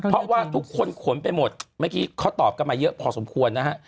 เพราะว่าทุกคนขนไปหมดเมื่อกี้เขาตอบกันมาเยอะพอสมควรนะฮะ